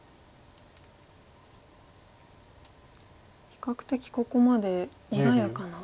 比較的ここまで穏やかな。